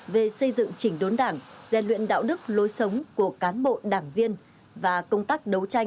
về xây dựng chỉnh đốn đảng gian luyện đạo đức lối sống của cán bộ đảng viên và công tác đấu tranh